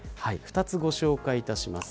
２つ、ご紹介いたします。